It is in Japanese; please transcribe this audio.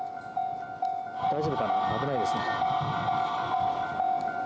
大丈夫かな、危ないですね。